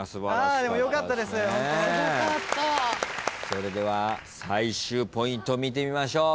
それでは最終ポイント見てみましょう。